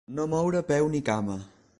No moure peu ni cama.